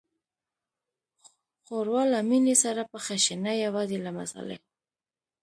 ښوروا له مینې سره پخه شي، نه یوازې له مصالحو.